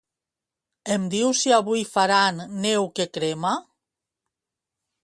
Em dius si avui faran "Neu que crema"?